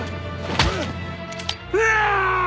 うわ！